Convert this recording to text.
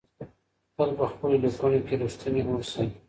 تل په خپلو لیکنو کې رښتیني اوسئ.